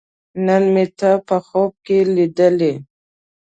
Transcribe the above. نن مې ته په خوب کې لیدلې